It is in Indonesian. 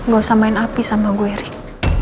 gak usah main api sama gue ring